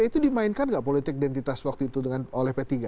itu dimainkan nggak politik identitas waktu itu oleh p tiga